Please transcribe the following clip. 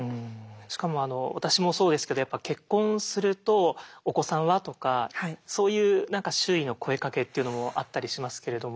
しかも私もそうですけどやっぱ結婚すると「お子さんは？」とかそういう何か周囲の声かけっていうのもあったりしますけれども。